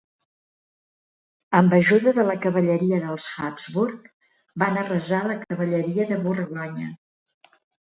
Amb ajuda de la cavalleria dels Habsburg van arrasar a la cavalleria de Borgonya.